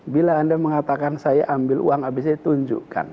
bila anda mengatakan saya ambil uang habis saya tunjukkan